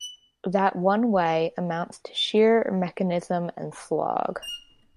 That one way amounts to sheer mechanism and slog.